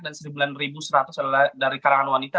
dan sembilan seratus adalah dari karangan wanita